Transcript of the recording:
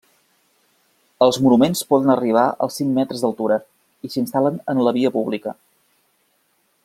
Els monuments poden arribar als cinc metres d'altura i s'instal·len en la via pública.